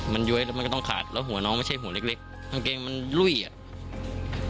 มันย้วยมันก็ต้องขาดแล้วหัวน้องมันเช่นหัวเล็กกลับเทนมันรุ่ยอ่ะ